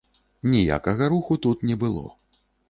Ніякага руху тут не было.